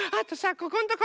ここんとこ。